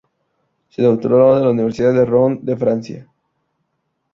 Se doctoró en la Universidad de Rouen en Francia.